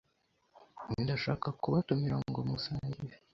Ndashaka kubatumira ngo musangire.